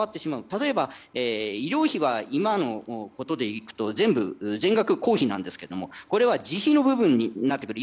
例えば医療費は今のことでいくと全額公費なんですけどもこれは自費の部分になってくる。